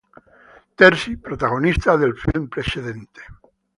Terzi, protagonista del film precedente.